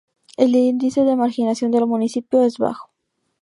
El índice de marginación del municipio es bajo.